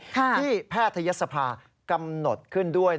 ที่แพทยศภากำหนดขึ้นด้วย